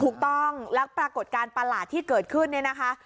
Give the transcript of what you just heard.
ถูกต้องแล้วปรากฏการณ์ประหลาดที่เกิดขึ้นเนี่ยนะคะ